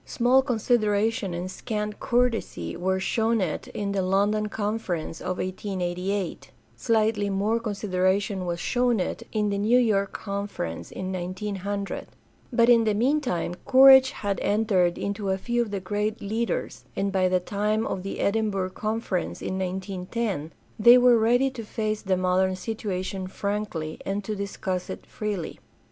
Small consideration and scant courtesy were shown it in the London Conference of 1888; slightly more consideration was shown it in the New York Conference of 1900; but in the meantime courage had entered into a few of the great leaders, and by the time of the Edin burgh Conference of 19 10 they were ready to face the modern situation frankly and to discuss it freely.